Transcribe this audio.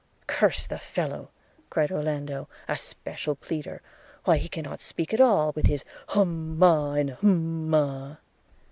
'Curse the fellow!' cried Orlando – 'A special pleader! why he cannot speak at all – with his hum a, and hum a.'